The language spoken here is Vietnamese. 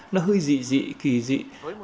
nó hơi dị dị kỳ dị